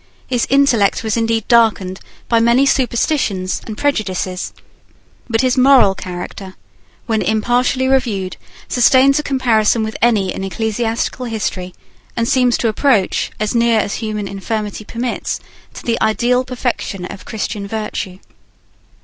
His intellect was indeed darkened by many superstitions and prejudices: but his moral character, when impartially reviewed, sustains a comparison with any in ecclesiastical history, and seems to approach, as near as human infirmity permits, to the ideal perfection of Christian virtue.